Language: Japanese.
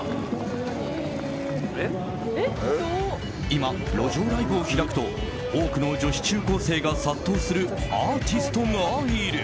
今、路上ライブを開くと多くの女子中高生が殺到するアーティストがいる。